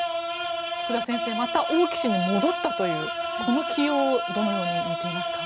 福田先生、また王毅氏に戻ったという、この起用をどのように見ていますか？